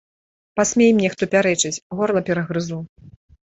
Пасмей мне хто пярэчыць, горла перагрызу.